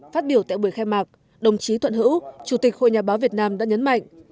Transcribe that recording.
phát biểu tại buổi khai mạc đồng chí thuận hữu chủ tịch hội nhà báo việt nam đã nhấn mạnh